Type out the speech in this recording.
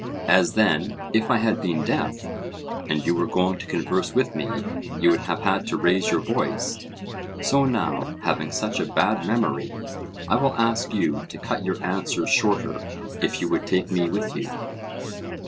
As then, if I had been deaf, and you were going to converse with me, you would have had to raise your voice; so now, having such a bad memory, I will ask you to cut your answers shorter, if you would take me with you.